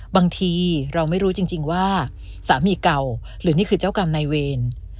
บางทีเราไม่รู้จริงว่าสามีเก่าหรือนี่คือเจ้ากรรมนายเวร